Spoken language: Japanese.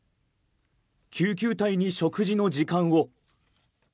救急隊に食事の時間を！